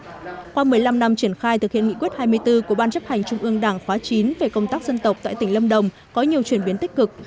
trong một mươi năm năm triển khai thực hiện nghị quyết hai mươi bốn của ban chấp hành trung ương đảng khóa chín về công tác dân tộc tại tỉnh lâm đồng có nhiều chuyển biến tích cực